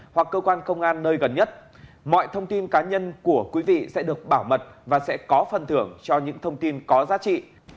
sáu mươi chín hai trăm ba mươi hai một nghìn sáu trăm sáu mươi bảy hoặc cơ quan công an nơi gần nhất mọi thông tin cá nhân của quý vị sẽ được bảo mật và sẽ có phần thưởng cho những thông tin có giá trị